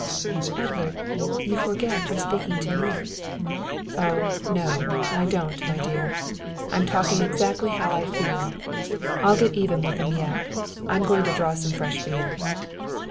"Edward, you forget you're speaking to me." "Oh, no, I don't, my dear. I'm talking exactly how I feel. I'll get even with 'em yet. I'm going to draw some fresh beer."